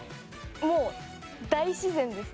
もう大自然です。